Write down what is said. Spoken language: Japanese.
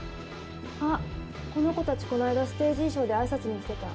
あっこの子たちこないだステージ衣装で挨拶に来てた。